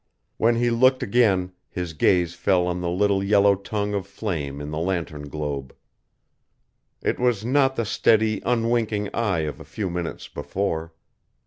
When he looked again his gaze fell on the little yellow tongue of flame in the lantern globe. It was not the steady, unwinking eye of a few minutes before.